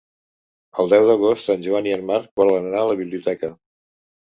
El deu d'agost en Joan i en Marc volen anar a la biblioteca.